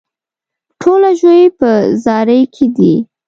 ټوله ژوي په زاري کې دي.